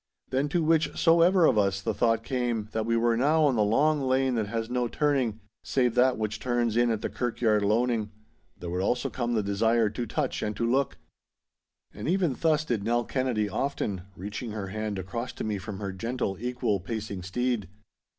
Then to which soever of us the thought came, that we were now on the long lane that has no turning (save that which turns in at the kirkyaird loaning), there would also come the desire to touch and to look. And even thus did Nell Kennedy often, reaching her hand across to me from her gentle, equal pacing steed.